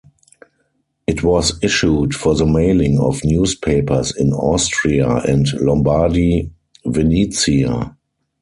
It was issued for the mailing of newspapers in Austria and Lombardy-Venetia.